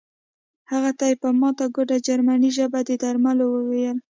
هغه ته یې په ماته ګوډه جرمني ژبه د درملو وویل